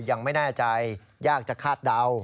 ยังไม่แน่ใจยากจะคาดเดา